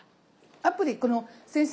アプリこの先生